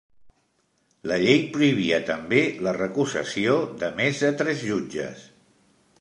La llei prohibia també la recusació de més de tres jutges.